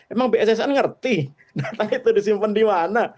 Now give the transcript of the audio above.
emang bssn ngerti data itu disimpan di mana